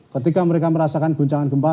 ketika mereka merasakan guncangan gempa